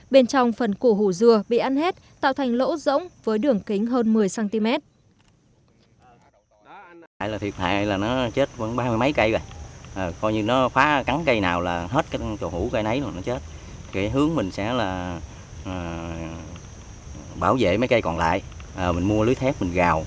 bên trong phần cổ hủ dừa bị ăn hết tạo thành lỗ rỗng với đường kính hơn một mươi cm